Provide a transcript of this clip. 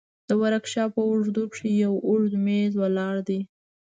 د ورکشاپ په اوږدو کښې يو اوږد مېز ولاړ دى.